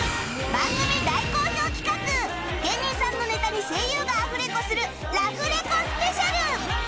番組大好評企画芸人さんのネタに声優がアフレコするラフレコスペシャル